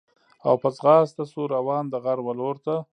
او په ځغاسته سو روان د غار و لورته